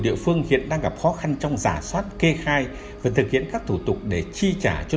địa phương hiện đang gặp khó khăn trong giả soát kê khai và thực hiện các thủ tục để chi trả cho